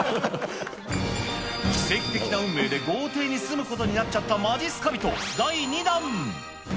奇跡的な運命で豪邸に住むことになっちゃったまじっすか人第２弾。